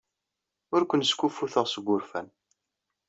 Ur ken-skuffuteɣ seg wurfan.